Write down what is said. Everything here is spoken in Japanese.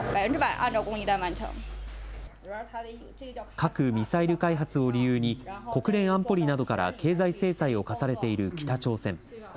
核・ミサイル開発を理由に、国連安保理などから経済制裁を科されている北朝鮮。